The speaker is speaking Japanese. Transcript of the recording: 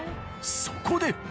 そこで！